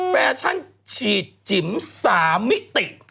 แฟชั่นฉีดจิ๋ม๓มิติ